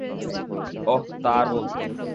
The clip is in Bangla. অহ, তা আর বলতে!